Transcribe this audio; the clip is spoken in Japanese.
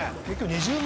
２０万！